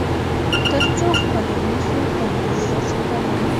تر څو خپلې موخې ته نه وې رسېدلی.